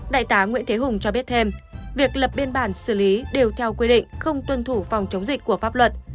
đại tá nguyễn thế hùng cho biết thêm việc lập biên bản xử lý đều theo quy định không tuân thủ phòng chống dịch của pháp luật